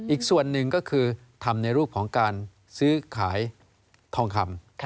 อีกส่วนหนึ่งก็คือทำในรูปของการซื้อขายทองคำ